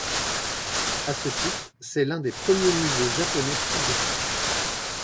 À ce titre, c'est l'un des premiers musées japonais privés.